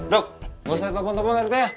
dok gak usah telfon telfon rt ya